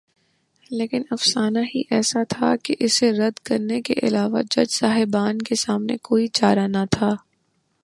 لیکن افسانہ ہی ایسا تھا کہ اسے رد کرنے کے علاوہ جج صاحبان کے سامنے کوئی چارہ نہ تھا۔